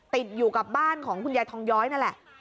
ติดอยู่กับบ้านของคุณยายทองย้อยนั่นแหละ